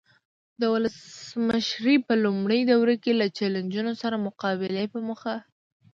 د ولسمشرۍ په لومړۍ دوره کې له چلنجونو سره مقابلې په موخه.